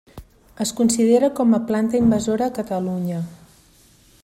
Es considera com a planta invasora a Catalunya.